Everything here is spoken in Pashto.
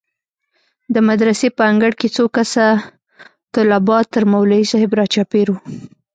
د مدرسې په انګړ کښې څو کسه طلبا تر مولوي صاحب راچاپېر وو.